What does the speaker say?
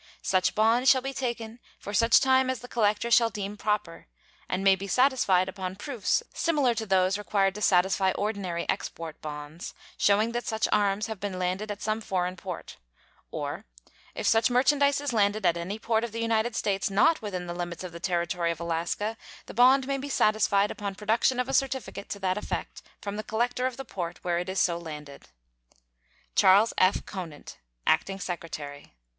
Such bond shall be taken for such time as the collector shall deem proper, and may be satisfied upon proofs similar to those required to satisfy ordinary export bonds, showing that such arms have been landed at some foreign port; or, if such merchandise is landed at any port of the United States not within the limits of the Territory of Alaska, the bond may be satisfied upon production of a certificate to that effect from the collector of the port where it is so landed. CHAS. F. CONANT, Acting Secretary.